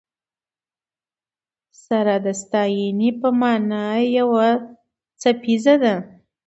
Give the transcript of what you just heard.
سره د ستاینې په مانا یو څپیزه ده.